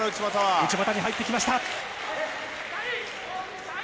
内股に入ってきました。